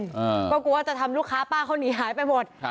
เพราะกลัวจะทำลูกค้าป้าเขาหนีหายไปหมด